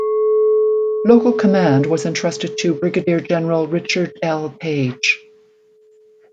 Local command was entrusted to Brigadier General Richard L. Page.